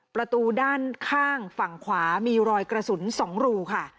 ประตูด้านข้างฝั่งขวามีรอยกระสุน๒รูค่ะ